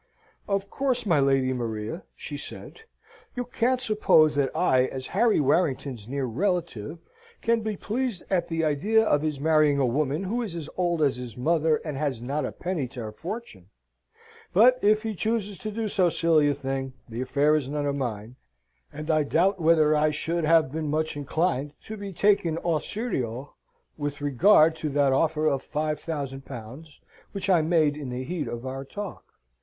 "Of course, my Lady Maria," she said, "you can't suppose that I, as Harry Warrington's near relative, can be pleased at the idea of his marrying a woman who is as old as his mother, and has not a penny to her fortune; but if he chooses to do so silly a thing, the affair is none of mine; and I doubt whether I should have been much inclined to be taken au serieux with regard to that offer of five thousand pounds which I made in the heat of our talk.